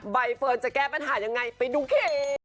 บ๊ายเฟิร์นจะแก้ปัญหาอย่างไรไปดูเค